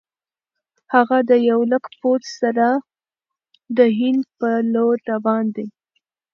هغه د یو لک پوځ سره د هند پر لور روان دی.